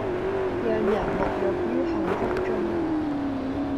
讓人沐浴於幸福中